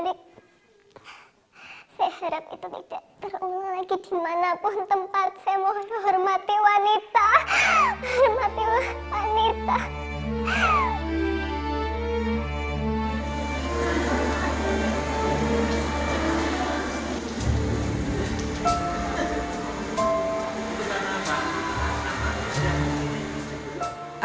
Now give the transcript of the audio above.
dimanapun tempat saya mau menghormati wanita wanita